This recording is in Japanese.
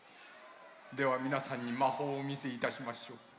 ではみなさんにまほうをおみせいたしましょう。